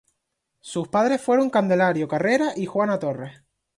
Sus padres fueron Candelario Carrera y Juana Torres.